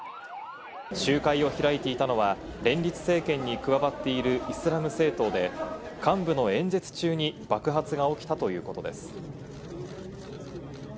集会を開いていたのは、連立政権に加わっているイスラム政党で、幹部の演説中に爆発が起きたということです。